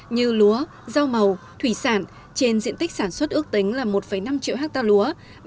như lúa rau màu thủy sản trên diện tích sản xuất ước tính là một năm triệu hectare lúa